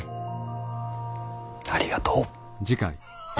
ありがとう。